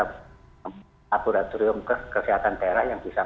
laboratorium kesehatan daerah yang bisa